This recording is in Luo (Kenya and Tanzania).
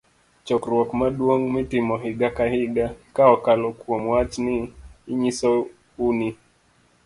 Chokruok Maduong' Mitimo Higa ka Higa .ka okalo kuom wach ni, inyiso u ni